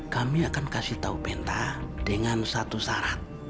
kami akan kasih tahu penta dengan satu syarat